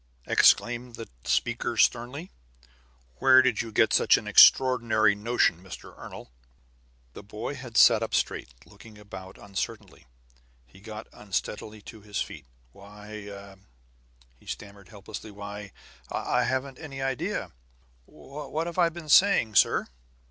exclaimed the speaker sternly. "Where did you get such an extraordinary notion, Mr. Ernol?" The boy had sat up straight, looking about uncertainly. He got unsteadily to his feet. "Why " he stammered helplessly. "Why, I haven't any idea What have I been saying, sir?"